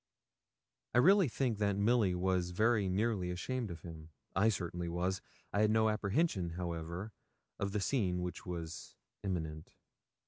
I really think that Milly was very nearly ashamed of him. I certainly was. I had no apprehension, however, of the scene which was imminent.